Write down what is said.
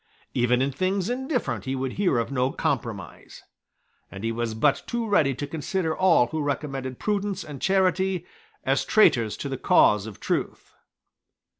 Even in things indifferent he would hear of no compromise; and he was but too ready to consider all who recommended prudence and charity as traitors to the cause of truth.